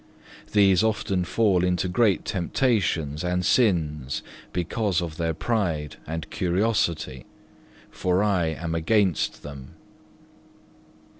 These often fall into great temptations and sins because of their pride and curiosity, for I am against them.